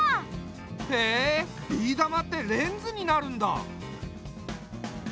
へえビー玉ってレンズになるんだ。